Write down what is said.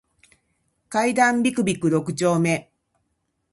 階段ビクビク六丁目